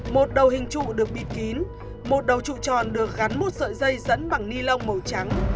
một đầu hình trụ được bịt kín một đầu trụ tròn được gắn một sợi dây dẫn bằng ni lông màu trắng